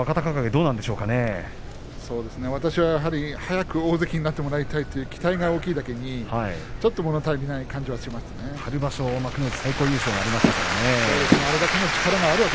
そうですね、私は早く大関になってもらいたいという期待が大きいだけにちょっともの足りない感じが春場所、幕内の最高優勝がそうですね